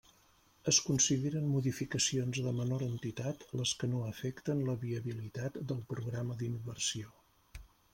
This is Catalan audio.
Es consideren modificacions de menor entitat les que no afecten la viabilitat del programa d'inversió.